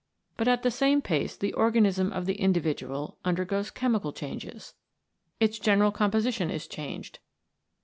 But at the same pace the organism of the in dividual undergoes chemical changes. Its general composition is changed.